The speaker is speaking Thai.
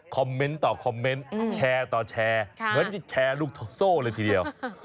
เมนต์ต่อคอมเมนต์แชร์ต่อแชร์เหมือนจะแชร์ลูกโซ่เลยทีเดียว